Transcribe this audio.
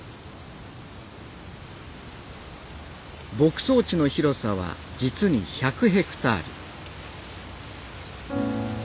牧草地の広さは実に１００ヘクタール